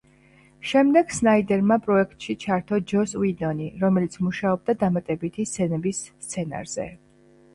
შემდეგ სნაიდერმა პროექტში ჩართო ჯოს უიდონი, რომელიც მუშაობდა დამატებითი სცენების სცენარზე.